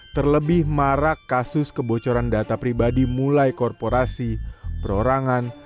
terlebih marak kasus kebocoran data pribadi mulai korporasi perorangan